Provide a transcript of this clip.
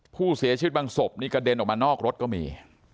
ผู้เสียชีวิตบางศพนี่กระเด็นออกมานอกรถก็มี